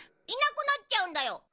いなくなっちゃうんだよ